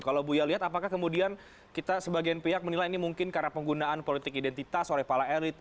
kalau buya lihat apakah kemudian kita sebagian pihak menilai ini mungkin karena penggunaan politik identitas oleh para elit